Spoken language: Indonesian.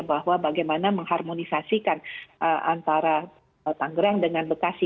bahwa bagaimana mengharmonisasikan antara tanggerang dengan bekasi